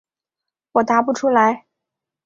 我答不出来。